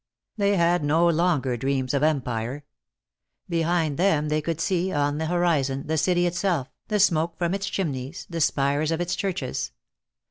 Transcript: They had no longer dreams of empire. Behind them they could see, on the horizon, the city itself, the smoke from its chimneys, the spires of its churches.